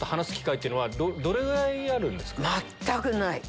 全くない。